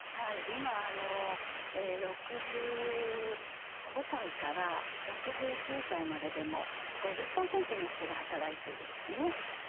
今６５歳から６９歳まででも５０％の人が働いてるんですね。